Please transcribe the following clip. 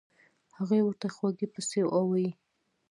هغو ورته خوږې پستې اووائي